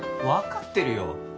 わかってるよ。